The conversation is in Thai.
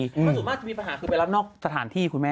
เพราะส่วนมากจะมีปัญหาคือไปรับนอกสถานที่คุณแม่